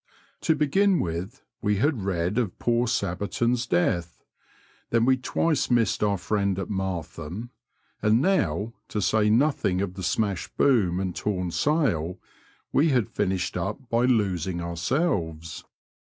To begin with, we had read of poor Sabberton's death ; then we twice missed our friend at Martham ; and now, to say nothing of the smashed boom and torn sail, we had finished up by losing ourselves.